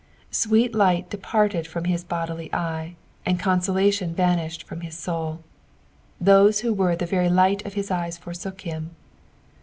Sweet light depaited from his bodily e^e, and consolation vanished from hb soul. Those who were the very light of hia eyes forsook him.